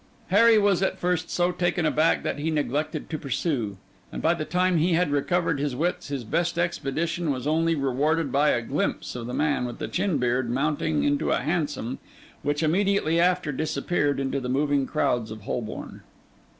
Harry was at first so taken aback that he neglected to pursue; and by the time he had recovered his wits, his best expedition was only rewarded by a glimpse of the man with the chin beard mounting into a hansom, which immediately after disappeared into the moving crowds of Holborn.